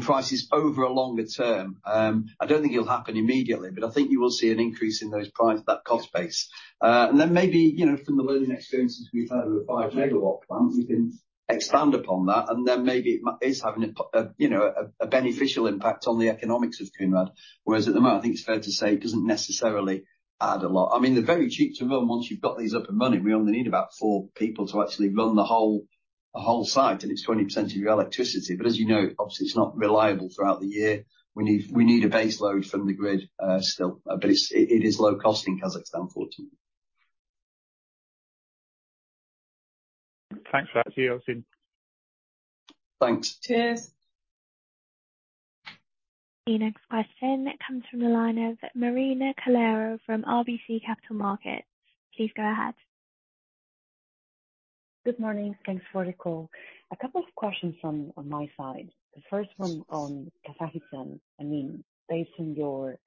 A: prices over a longer term. I don't think it'll happen immediately, but I think you will see an increase in those prices, that cost base. And then maybe, you know, from the learning experiences we've had with the 5-megawatt plant, we can expand upon that, and then maybe it might, is having a, you know, a beneficial impact on the economics of Kounrad. Whereas at the moment, I think it's fair to say, it doesn't necessarily add a lot. I mean, they're very cheap to run once you've got these up and running. We only need about four people to actually run the whole site, and it's 20% of your electricity. But as you know, obviously, it's not reliable throughout the year. We need a base load from the grid still, but it is low cost in Kazakhstan, fortunately.
I: Thanks for that. See you all soon.
A: Thanks.
C: Cheers.
D: The next question comes from the line of Marina Calero from RBC Capital Markets. Please go ahead.
H: Good morning. Thanks for the call. A couple of questions from on my side. The first one on Kazakhstan, I mean, based on your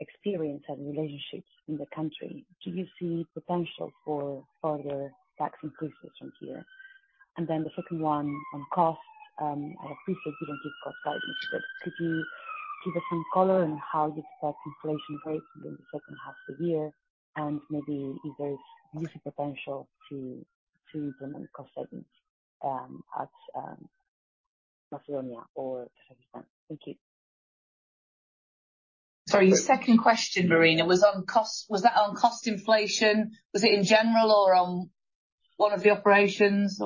H: experience and relationships in the country, do you see potential for further tax increases from here? And then the second one on costs. I appreciate you didn't give cost guidance, but could you give us some color on how you expect inflation rates within the H2 of the year, and maybe if there is potential to bring cost savings at Macedonia or Kazakhstan? Thank you.
C: Sorry, your second question, Marina, was on cost. Was that on cost inflation? Was it in general or on one of the operations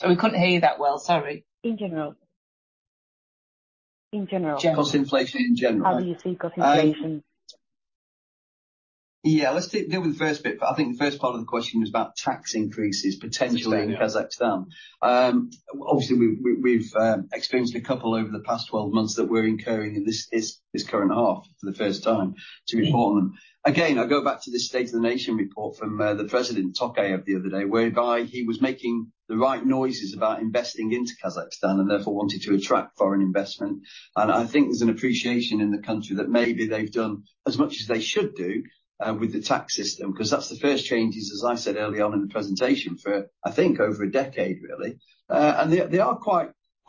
C: or... Sorry, we couldn't hear you that well. Sorry.
H: In general. In general.
A: Cost inflation in general?
H: How do you see cost inflation?
A: Yeah, let's deal with the first bit. But I think the first part of the question was about tax increases, potentially in Kazakhstan. Obviously, we've experienced a couple over the past 12 months that we're incurring in this current half for the first time to report on them. Again, I go back to this state of the nation report from the President, Tokayev, the other day, whereby he was making the right noises about investing into Kazakhstan and therefore wanted to attract foreign investment. And I think there's an appreciation in the country that maybe they've done as much as they should do with the tax system, 'cause that's the first changes, as I said early on in the presentation, for I think over a decade, really. And they are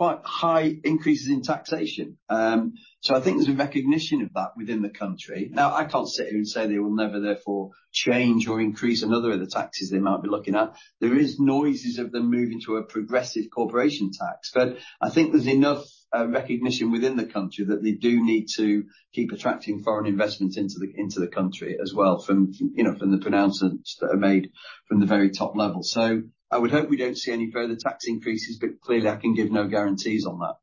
A: quite high increases in taxation. So I think there's a recognition of that within the country. Now, I can't sit here and say they will never, therefore, change or increase another of the taxes they might be looking at. There is noises of them moving to a progressive corporation tax, but I think there's enough recognition within the country that they do need to keep attracting foreign investments into the, into the country as well from, you know, from the pronouncements that are made from the very top level. So I would hope we don't see any further tax increases, but clearly, I can give no guarantees on that.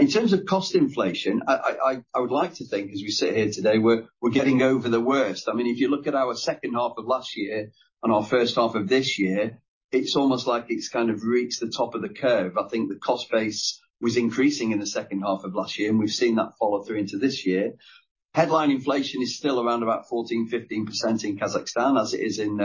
A: In terms of cost inflation, I would like to think, as we sit here today, we're getting over the worst. I mean, if you look at our H2 of last year and our H1 of this year, it's almost like it's kind of reached the top of the curve. I think the cost base was increasing in the H2 of last year, and we've seen that follow through into this year. Headline inflation is still around about 14, 15% in Kazakhstan, as it is in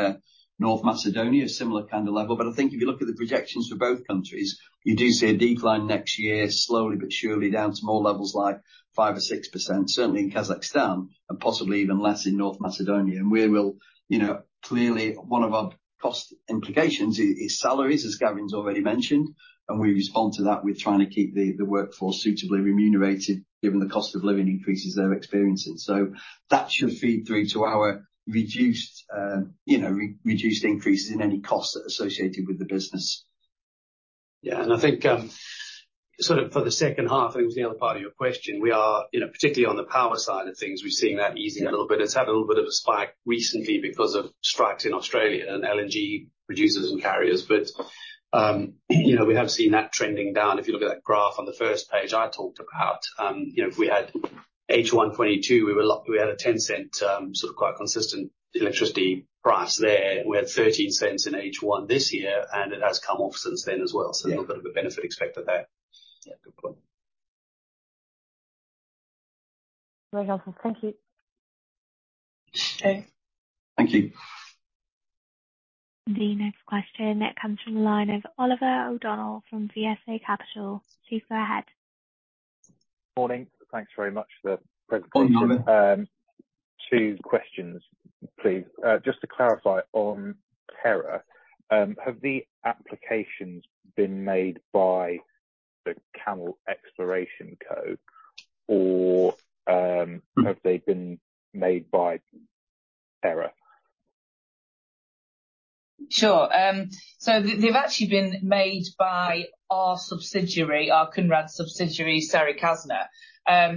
A: North Macedonia, a similar kind of level. But I think if you look at the projections for both countries, you do see a decline next year, slowly but surely, down to more levels like 5-6%, certainly in Kazakhstan and possibly even less in North Macedonia. And we will... You know, clearly, one of our cost implications is salaries, as Gavin's already mentioned, and we respond to that with trying to keep the workforce suitably remunerated given the cost of living increases they're experiencing. So that should feed through to our reduced, you know, reduced increases in any costs that are associated with the business.
B: Yeah, and I think, sort of for the H2, I think the other part of your question, we are, you know, particularly on the power side of things, we're seeing that easing a little bit. It's had a little bit of a spike recently because of strikes in Australia and LNG producers and carriers, but, you know, we have seen that trending down. If you look at that graph on the first page I talked about, you know, if we had H1 2022, we had a $0.10, sort of quite consistent electricity price there. We had $0.13 in H1 this year, and it has come off since then as well-
A: Yeah.
B: So a little bit of a benefit expected there.
A: Yeah, good point.
H: Very helpful. Thank you.
B: Thank you.
D: The next question comes from the line of Oliver O'Donnell from VSA Capital. Please go ahead.
J: Morning. Thanks very much for the presentation.
A: Good morning.
J: Two questions, please. Just to clarify on Terra, have the applications been made by the CAML Exploration Co., or
A: Mm-hmm.
J: Have they been made by Terra?
C: Sure. So they, they've actually been made by our subsidiary, our Kounrad subsidiary, Sary Kazna,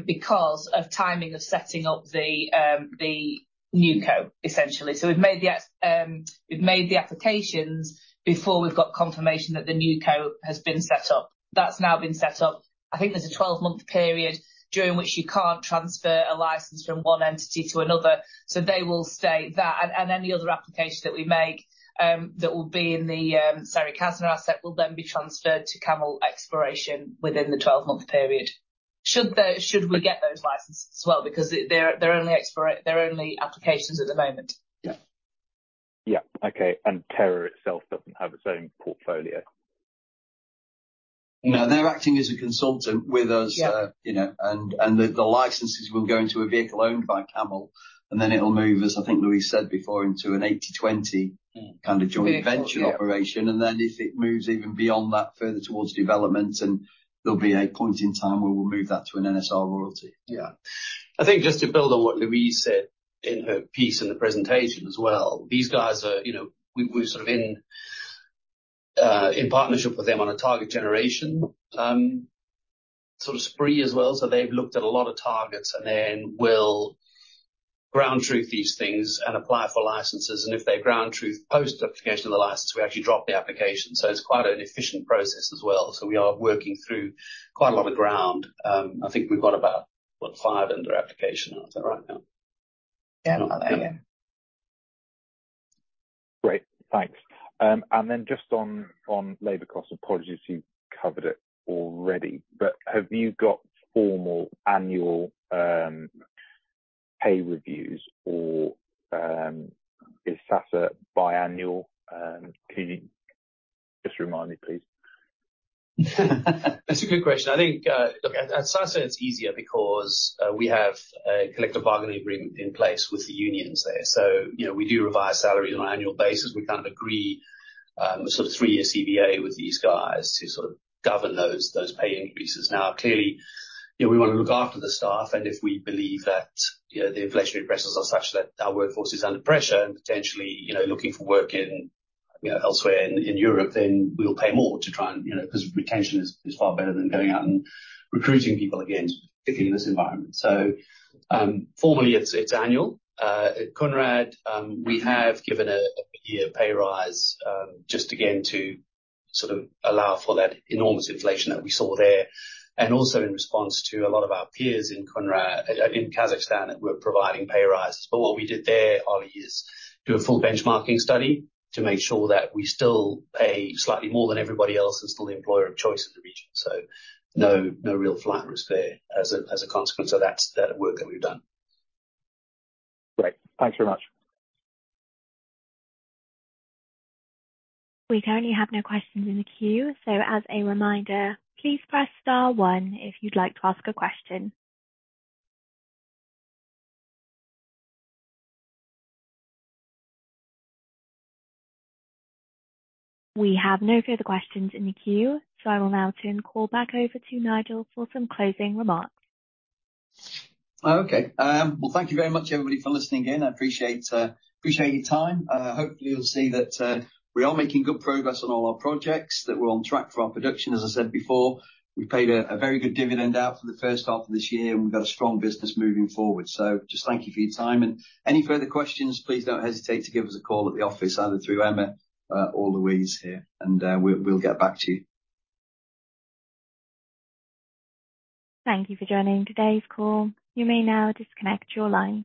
C: because of timing of setting up the, the new co, essentially. So we've made the applications before we've got confirmation that the new co has been set up. That's now been set up. I think there's a 12-month period during which you can't transfer a license from one entity to another, so they will stay that. And any other application that we make, that will be in the, Sary Kazna asset, will then be transferred to CAML Exploration within the 12-month period. Should we get those licenses as well, because they're, they're only applications at the moment.
A: Yeah.
J: Yeah. Okay, and Terra itself doesn't have its own portfolio?
A: No, they're acting as a consultant with us-
C: Yeah.
A: you know, and the licenses will go into a vehicle owned by CAML, and then it'll move, as I think Louise said before, into an 80/20-
C: Mm.
A: kind of joint venture operation.
C: Yeah.
A: And then, if it moves even beyond that, further towards development, then there'll be a point in time where we'll move that to an NSR royalty.
B: Yeah. I think just to build on what Louise said in her piece in the presentation as well, these guys are, you know, we, we're sort of in, in partnership with them on a target generation, sort of spree as well. So they've looked at a lot of targets and then we'll ground truth these things and apply for licenses, and if they ground truth post-application of the license, we actually drop the application. So it's quite an efficient process as well. So we are working through quite a lot of ground. I think we've got about, what, five under application. Is that right now?
C: Yeah, about that, yeah.
J: Great. Thanks. And then just on labor costs, apologies if you've covered it already, but have you got formal annual pay reviews or is Sasa biannual? Can you just remind me, please?
B: That's a good question. I think, look, at Sasa, it's easier because we have a collective bargaining agreement in place with the unions there. So, you know, we do revise salaries on an annual basis. We kind of agree, sort of three-year CBA with these guys to sort of govern those pay increases. Now, clearly, you know, we want to look after the staff, and if we believe that, you know, the inflationary pressures are such that our workforce is under pressure and potentially, you know, looking for work in, you know, elsewhere in Europe, then we'll pay more to try and, you know, because retention is far better than going out and recruiting people again, particularly in this environment. So, formally, it's annual. At Kounrad, we have given a big year pay rise, just again, to sort of allow for that enormous inflation that we saw there, and also in response to a lot of our peers in Kounrad, in Kazakhstan, that were providing pay rises. But what we did there, Ollie, is do a full benchmarking study to make sure that we still pay slightly more than everybody else and still the employer of choice in the region. So no, no real flight risk there as a consequence of that work that we've done.
J: Great. Thanks very much.
D: We currently have no questions in the queue. As a reminder, please press star one if you'd like to ask a question. We have no further questions in the queue, I will now turn the call back over to Nigel for some closing remarks.
A: Okay. Well, thank you very much, everybody, for listening in. I appreciate your time. Hopefully, you'll see that we are making good progress on all our projects, that we're on track for our production. As I said before, we paid a very good dividend out for the H1 of this year, and we've got a strong business moving forward. So just thank you for your time, and any further questions, please don't hesitate to give us a call at the office, either through Emma or Louise here, and we'll get back to you.
D: Thank you for joining today's call. You may now disconnect your line.